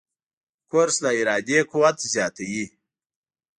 کورس د ارادې قوت زیاتوي.